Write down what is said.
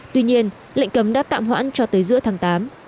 tuy nhiên lệnh cấm đã tạm hoãn cho tới giữa tháng tám